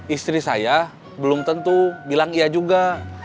istri saya belum tentu bilang iya juga